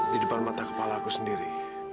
di depan mata kepala aku sendiri